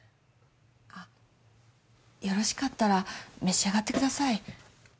あよろしかったら召し上がってください。